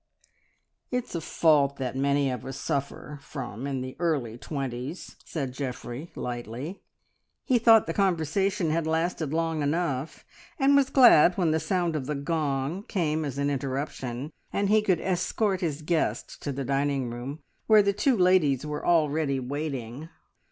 "It's a fault that many of us suffer from in the early twenties," said Geoffrey, lightly. He thought the conversation had lasted long enough, and was glad when the sound of the gong came as an interruption and he could escort his guest to the dining room, where the two ladies were already waiting.